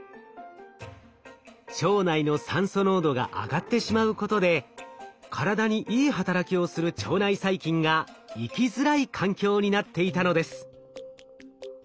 腸内の酸素濃度が上がってしまうことで体にいい働きをする腸内細菌が生きづらい環境になっていたのです。